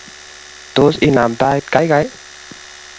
Tos, inaam tait gaigai?